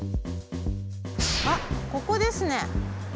あっここですね。